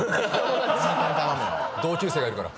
同級生がいるから。